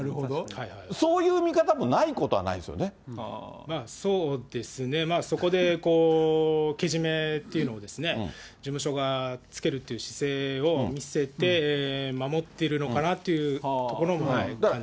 そういう見方もないことはなまあそうですね、そこでけじめっていうのを、事務所がつけるという姿勢を見せて、守ってるのかなっていうところも感じますね。